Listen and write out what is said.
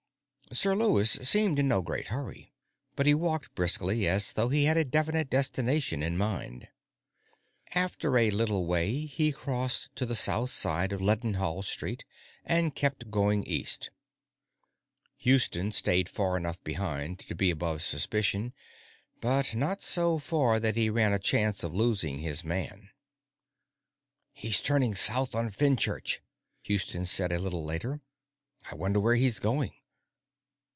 Sir Lewis seemed in no great hurry, but he walked briskly, as though he had a definite destination in mind. After a little way, he crossed to the south side of Leadenhall Street and kept going east. Houston stayed far enough behind to be above suspicion, but not so far that he ran a chance of losing his man. "He's turning south on Fenchurch," Houston said a little later. "I wonder where he's going."